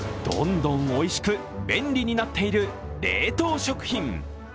どんどんおいしく、便利になっている冷凍食品。